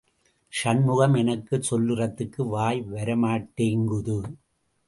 சண்முகம் எனக்கு சொல்றதுக்கு வாய் வரமாட்டேங்குது.